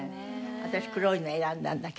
私黒いの選んだんだけど。